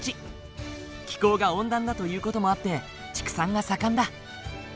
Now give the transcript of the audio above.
気候が温暖だという事もあって畜産が盛んだ。